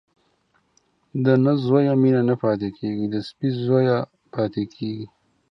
د نه زويه مينه نه پاتېږي ، د سپي زويه پاتېږي.